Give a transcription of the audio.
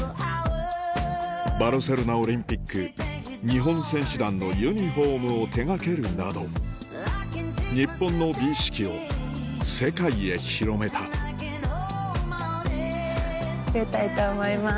バルセロナオリンピック日本選手団のユニホームを手掛けるなど日本の美意識を世界へ広めた植えたいと思います。